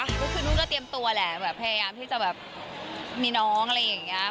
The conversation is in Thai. ก็คือนุ่นก็เตรียมตัวแหละแบบพยายามที่จะแบบมีน้องอะไรอย่างนี้